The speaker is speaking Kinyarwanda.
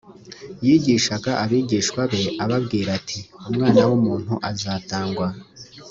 yigishaga abigishwa be ababwira ati umwana w umuntu azatangwa